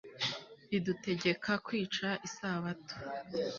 ridutegeka kwica isabato